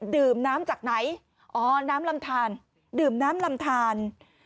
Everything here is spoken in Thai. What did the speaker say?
ดื่มน้ำจากไหนอ๋อน้ำลำทานดื่มน้ำลำทาน